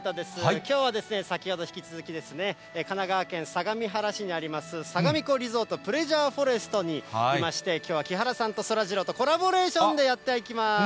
きょうは先ほど、引き続き神奈川県相模原市にあります、さがみ湖リゾートプレジャーフォレストにいまして、きょうは木原さんとそらジローとコラボレーションでやっていきます。